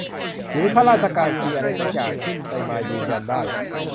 หรือข้าราชการซีอะไรซักอย่างขึ้นไปมายืนยันได้